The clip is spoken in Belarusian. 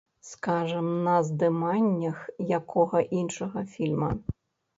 Скажам, на здыманнях якога іншага фільма.